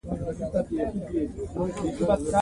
څوک چې د خلکو شکر نه کوي، نو ده د الله شکر هم ونکړو